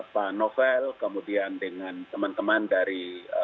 pak novel kemudian dengan teman teman dari